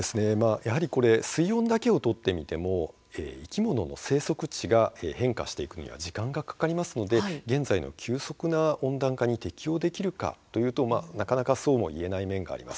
やはり水温だけをとってみても生き物の生息地が変化していくには時間がかかりますので現在の急速な温暖化に適用できるかというと、なかなかそうもいえない面があります。